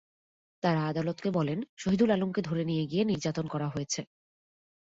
তাঁরা আদালতকে বলেন, শহিদুল আলমকে ধরে নিয়ে গিয়ে নির্যাতন করা হয়েছে।